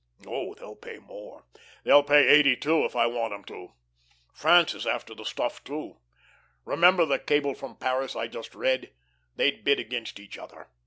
Oh, they'll pay more. They'll pay eighty two if I want 'em to. France is after the stuff, too. Remember that cable from Paris I just read. They'd bid against each other.